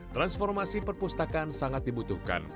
transformasi perpustakaan sangat dibutuhkan